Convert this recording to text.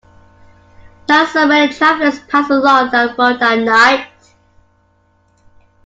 Not so many travellers pass along that road at night.